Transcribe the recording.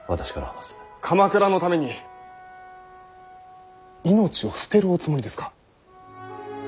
鎌倉のために命を捨てるおつもりですか。